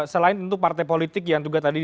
selain tentu partai politik yang juga tadi